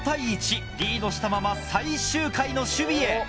リードしたまま最終回の守備へ。